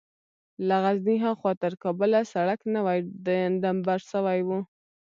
له غزني ها خوا تر کابله سړک نوى ډمبر سوى و.